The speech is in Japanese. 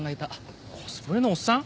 コスプレのおっさん？